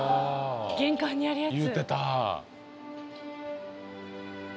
玄関にやるやつ！